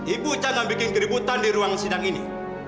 ibu jangan bikin keributan di ruang sidang ini